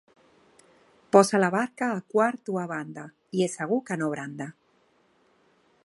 Posa la barca a quart o a banda i és segur que no branda.